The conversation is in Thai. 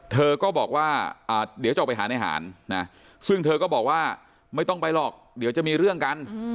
เธอก็บอกว่าเดี๋ยวจะออกไปหาในหารนะซึ่งเธอก็บอกว่าไม่ต้องไปหรอกเดี๋ยวจะมีเรื่องกัน